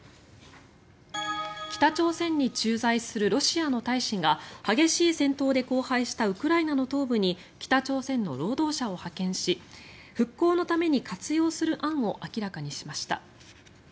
北朝鮮に駐在するロシアの大使が激しい戦闘で荒廃したウクライナの東部に北朝鮮の労働者を派遣し復興のために活用する案を明らかにしました。